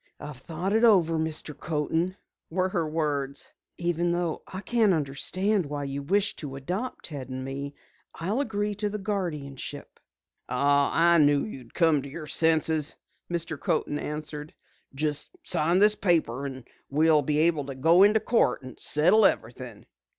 "I've thought it over, Mr. Coaten," were her words. "Even though I can't understand why you wish to adopt Ted and me I'll agree to the guardianship." "Ah, I knew you would come to your senses," Mr. Coaten answered. "Just sign this paper and we'll be able to go into court and settle everything."